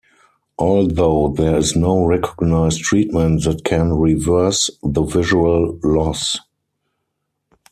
Although there is no recognized treatment that can reverse the visual loss.